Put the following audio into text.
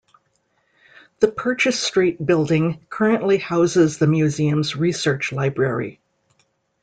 The Purchase Street Building currently houses the museum's Research Library.